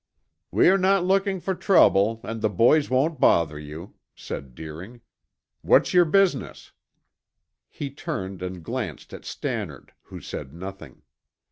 "We are not looking for trouble and the boys won't bother you," said Deering. "What's your business?" He turned and glanced at Stannard, who said nothing.